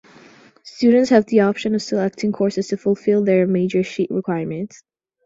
Students have the option of selecting courses to fulfill their major sheet requirements.